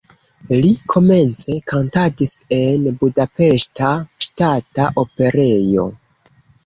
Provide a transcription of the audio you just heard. Li komence kantadis en Budapeŝta Ŝtata Operejo.